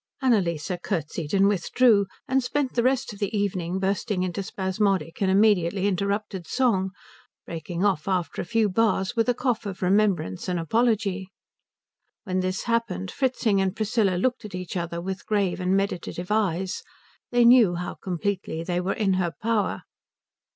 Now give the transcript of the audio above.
Annalise curtseyed and withdrew, and spent the rest of the evening bursting into spasmodic and immediately interrupted song, breaking off after a few bars with a cough of remembrance and apology. When this happened Fritzing and Priscilla looked at each other with grave and meditative eyes; they knew how completely they were in her power.